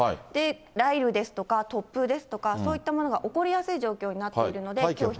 雷雨ですとか突風ですとか、そういったものが起こりやすい状況になっていますので。